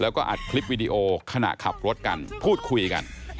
แล้วก็อัดคลิปวิดีโอขณะขับรถกันพูดคุยกัน